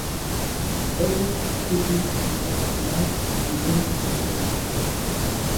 Und heute passiert dies zum ersten Mal, und wir nehmen es zur Kenntnis.